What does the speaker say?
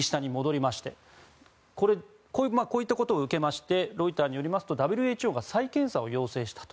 こういったことを受けましてロイターによりますとＷＨＯが再検査を要請したと。